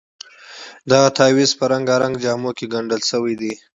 دغه تعویض په رنګارنګ جامو کې ګنډل شوی دی.